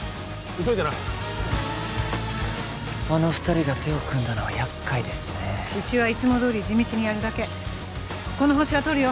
急いでなあの２人が手を組んだのはやっかいですねうちはいつもどおり地道にやるだけこのホシはとるよ